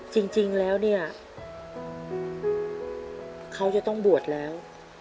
จริงแล้วเนี่ยเขาจะต้องบวชแล้ว